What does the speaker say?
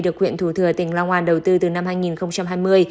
được huyện thủ thừa tỉnh long an đầu tư từ năm hai nghìn hai mươi